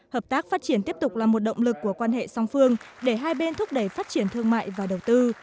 hợp tác phát triển tiếp tục là một động lực của quan hệ song phương để hai bên thúc đẩy phát triển thương mại và đầu tư